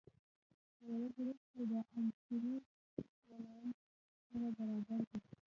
په یوه ګروپ کې د عنصرونو ولانس سره برابر دی.